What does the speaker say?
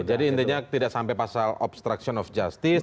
jadi intinya tidak sampai pasal obstruction of justice